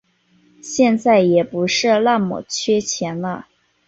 现在也不是那么缺钱了